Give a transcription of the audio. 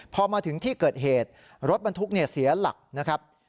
พอมาถึงที่เกิดเหตุรถบรรทุกเสียหลักนะครับ